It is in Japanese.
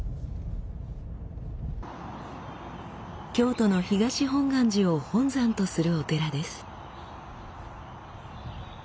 京都の東本願寺を本山とするお寺です。